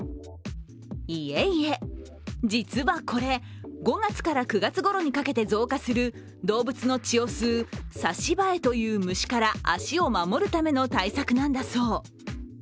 いえいえ、実はこれ、５月から９月ごろにかけて増加する動物の血を吸うサシバエという虫から足を守るための対策なんだそう。